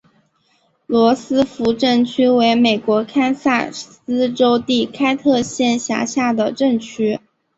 罗斯福镇区为美国堪萨斯州第开特县辖下的镇区。